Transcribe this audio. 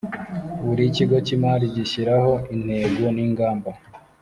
buri kigo cy imari gishyiraho intego n ingamba